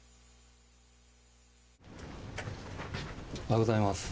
おはようございます。